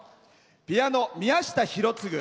ピアノ、宮下博次。